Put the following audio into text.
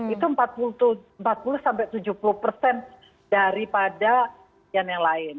itu empat puluh sampai tujuh puluh persen daripada yang lain